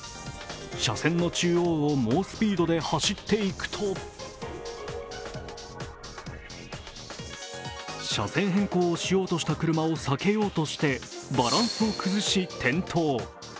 車線の中央を猛スピードで走って行くと車線変更をしようとした車を避けようとしてバランスを崩し転倒。